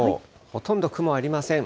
ほとんど雲ありません。